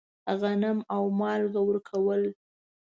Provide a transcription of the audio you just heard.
غنم او مالګه ورکول.